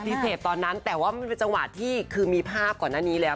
เสร็จตอนนั้นแต่ว่ามันเป็นจังหวะที่คือมีภาพก่อนหน้านี้แล้ว